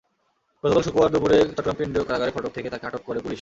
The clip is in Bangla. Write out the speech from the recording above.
গতকাল শুক্রবার দুপুরে চট্টগ্রাম কেন্দ্রীয় কারাগারের ফটক থেকে তাঁকে আটক করে পুলিশ।